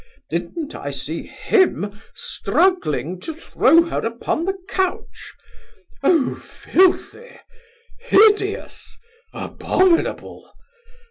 Did'n't I see him struggling to throw her upon the couch? 0 filthy! hideous! abominable!